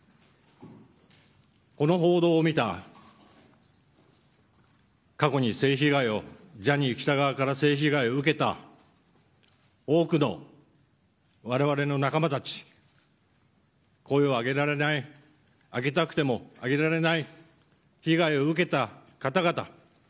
この報道を見た過去にジャニー喜多川から性被害を受けた多くの我々の仲間たち声を上げられない上げたくても上げられない被害を受けた方々。